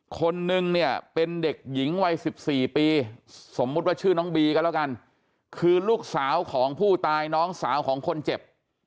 คนนึงเนี่ยเป็นเด็กหญิงวัย๑๔ปีสมมุติว่าชื่อน้องบีก็แล้วกันคือลูกสาวของผู้ตายน้องสาวของคนเจ็บ